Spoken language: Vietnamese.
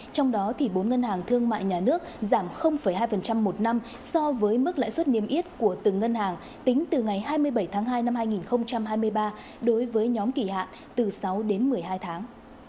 trong đó bốn ngân hàng thương mại nhà nước giảm hai một năm so với mức lãi suất niêm yết của từng ngân hàng tính từ ngày hai mươi bảy tháng hai năm hai nghìn hai mươi ba đối với nhóm kỳ hạn từ sáu đến một mươi hai tháng